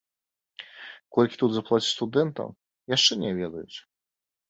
Колькі тут заплацяць студэнтам, яшчэ не ведаюць.